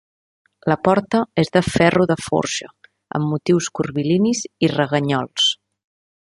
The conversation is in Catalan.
La porta és de ferro de forja, amb motius curvilinis i reganyols.